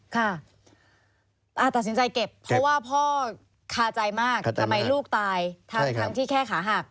ค่ะตัดสินใจเก็บเพราะว่าพ่อคาใจมากทำไมลูกตายทั้งที่แค่ขาหัก